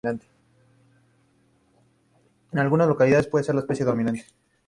En algunas localidades puede ser la especie dominante.